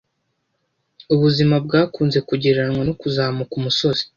Ubuzima bwakunze kugereranywa no kuzamuka umusozi.